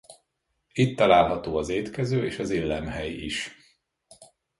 Itt található az étkező és az illemhely is.